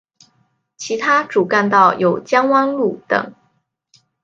其他主干道有江湾路等。